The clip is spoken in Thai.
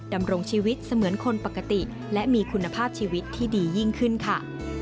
ดำรงชีวิตเสมือนคนปกติและมีคุณภาพชีวิตที่ดียิ่งขึ้นค่ะ